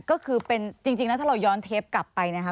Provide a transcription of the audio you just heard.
ก็คือเป็นจริงแล้วถ้าเราย้อนเทปกลับไปนะคะ